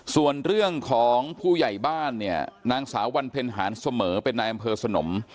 ส่วนเรื่องของผู้ใหญ่บ้านเนี่ยนางสาววันเพ็ญหารเสมอเป็นนายอำเภอสนม